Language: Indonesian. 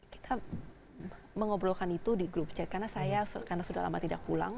kita mengobrolkan itu di grup chat karena saya karena sudah lama tidak pulang